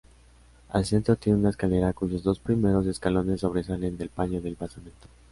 Al centro tiene una escalera, cuyos dos primeros escalones sobresalen del paño del basamento.